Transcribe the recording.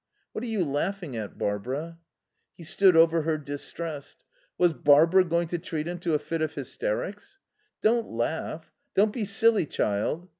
"What are you laughing at, Barbara?" He stood over her, distressed. Was Barbara going to treat him to a fit of hysterics? "Don't laugh. Don't be silly, child."